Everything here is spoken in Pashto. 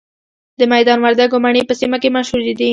د میدان وردګو مڼې په سیمه کې مشهورې دي.